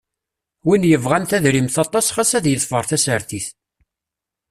Win yebɣan tadrimt aṭas xas ad yeḍfeṛ tasartit.